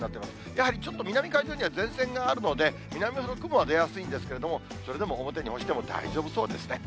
やはりちょっと南海上には前線があるので、南ほど雲は出やすいんですけど、それでも表に干しても大丈夫そうですね。